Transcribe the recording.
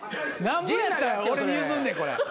何ぼやったら俺に譲んねんこれ。